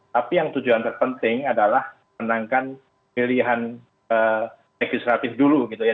tapi yang tujuan terpenting adalah menangkan pilihan legislatif dulu gitu ya